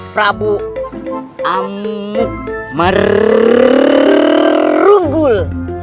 prabu amu merumbul